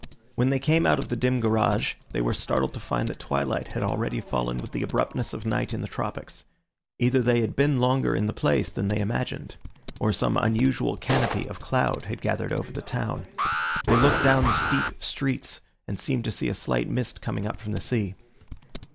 When they came out of the dim garage they were startled to find that twilight had already fallen with the abruptness of night in the tropics. Either they had been longer in the place than they imagined, or some unusual canopy of cloud had gathered over the town. They looked down the steep streets, and seemed to see a slight mist coming up from the sea.